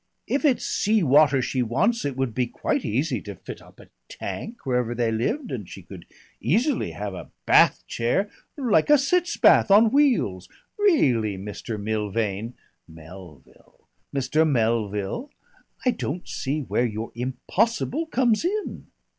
"If it's sea water she wants it would be quite easy to fit up a tank wherever they lived, and she could easily have a bath chair like a sitz bath on wheels.... Really, Mr. Milvain " "Melville." "Mr. Melville, I don't see where your 'impossible' comes in."